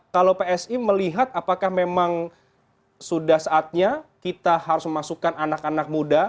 kalau psi melihat apakah memang sudah saatnya kita harus memasukkan anak anak muda